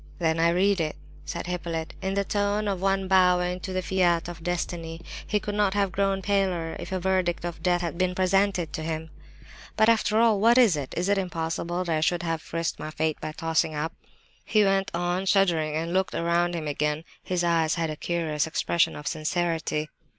"Then I read it," said Hippolyte, in the tone of one bowing to the fiat of destiny. He could not have grown paler if a verdict of death had suddenly been presented to him. "But after all, what is it? Is it possible that I should have just risked my fate by tossing up?" he went on, shuddering; and looked round him again. His eyes had a curious expression of sincerity.